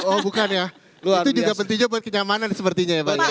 oh bukan ya itu juga pentingnya buat kenyamanan sepertinya ya pak ya